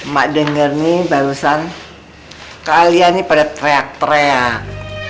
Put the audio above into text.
mak denger nih barusan kalian nih pada teriak teriak